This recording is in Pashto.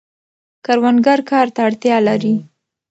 کروندګر کار ته اړتیا لري.